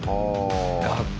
学校